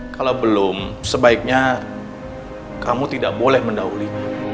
kalau belum sebaiknya kamu tidak boleh mendahului